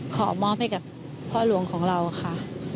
ขอมอบให้กับพ่อหลวงของเราค่ะ